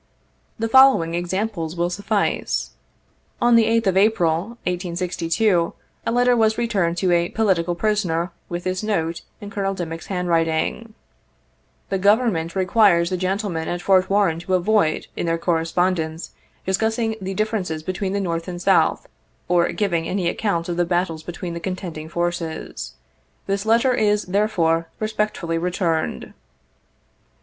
The following 59 examples will suffice. On the 8th of April, 1862, a letter was returned to a "political prisoner" with this note, in Colonel Dimick's handwriting :" The Government require the gentlemen at Fort Warren to avoid, in their correspondence, discussing the differences between the North and South, or giving any account of the battles between the contend ing forces. This letter is, therefore, respectfully returned."